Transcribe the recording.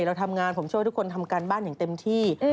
เราทำงานผมช่วยทุกคนทำการบ้านอย่างเต็มที่